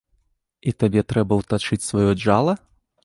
І табе трэба ўтачыць сваё джала?